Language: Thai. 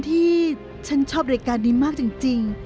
ที่ฉันชอบรายการนี้มากจริง